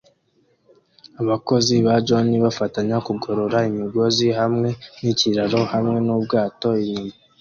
Abakozi ba john bafashanya kugorora imigozi hamwe nikiraro hamwe nubwato inyuma